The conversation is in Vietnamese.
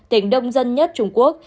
tỉnh đông dân nhất trung quốc